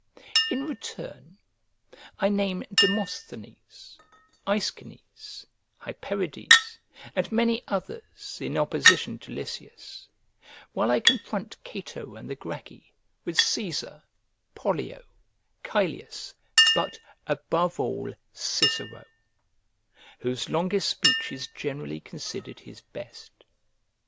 In return, I name Demosthenes, Aeschines, Hyperides, and many others, in opposition to Lysias; while I confront Cato and the Gracchi with Cæsar, Pollio, Caelius, but, above all, Cicero, whose longest speech is generally considered his best.